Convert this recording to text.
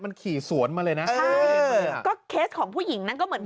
มันขี่สวนมาเลยนะใช่ก็เคสของผู้หญิงนั้นก็เหมือน